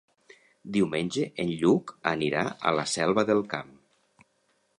Diumenge en Lluc anirà a la Selva del Camp.